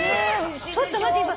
ちょっと待って今。